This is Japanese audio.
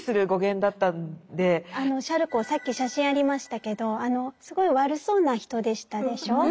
シャルコーさっき写真ありましたけどすごい悪そうな人でしたでしょ。